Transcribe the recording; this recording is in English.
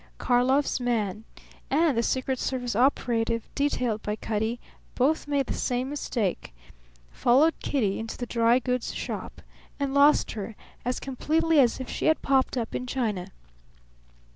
Karlov's man and the secret service operative detailed by Cutty both made the same mistake followed Kitty into the dry goods shop and lost her as completely as if she had popped up in China.